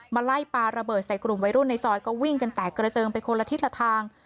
มาไล่ปลาระเบิดใส่กลุ่มวัยรุ่นในซอยก็วิ่งกันแตกกระเจิงไปคนละทิศละทาง